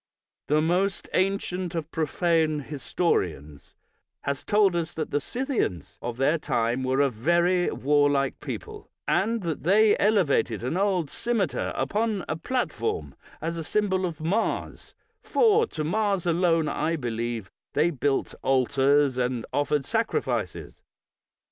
The most ancient of profane historians has 240 BRIGHT told us that the Scythians of his time were a very warlike people, and that they elevated an old cimeter upon a platform as a symbol of Mars, for to Mars alone, I believe, they built altars and offered sacrifices.